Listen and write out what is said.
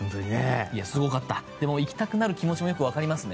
でも、行きたくなる気持ちもわかりますね。